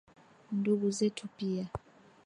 Ndugu zetu pia.